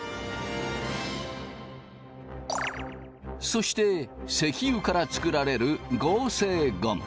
そして石油から作られる合成ゴム。